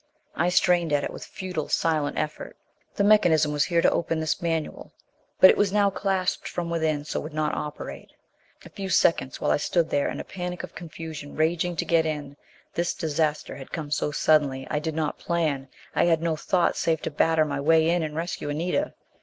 I strained at it with futile, silent effort. The mechanism was here to open this manual; but it was now clasped from within so would not operate. A few seconds, while I stood there in a panic of confusion, raging to get in. This disaster had come so suddenly. I did not plan: I had no thought save to batter my way in and rescue Anita.